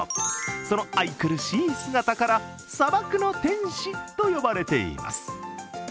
その愛くるしい姿から砂漠の天使と呼ばれています。